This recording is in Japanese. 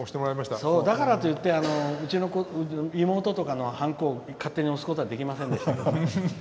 だからといってうちの妹とかのはんこを勝手に押すことはできませんでしたけど。